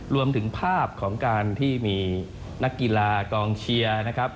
รวมถึงภาพของการที่มีนักกีฬากองเชียร์นะครับ